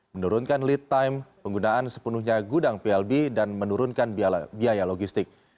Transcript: menurunkan lead time penggunaan sepenuhnya gudang plb dan menurunkan biaya logistik